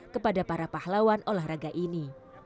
kepada para pahlawan olahraga ini